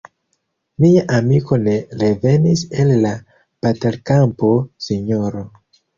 “Mia amiko ne revenis el la batalkampo, sinjoro.